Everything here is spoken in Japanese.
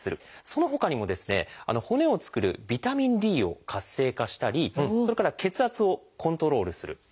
そのほかにもですね骨を作るビタミンＤを活性化したりそれから血圧をコントロールする。